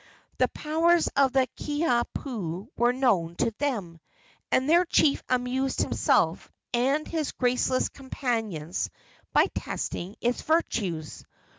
The powers of the Kiha pu were known to them, and their chief amused himself and his graceless companions by testing its virtues.